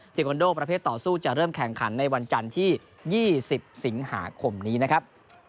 เทคอนโดประเภทต่อสู้จะเริ่มแข่งขันในวันจันทร์ที่๒๐สิงหาคมนี้นะครับ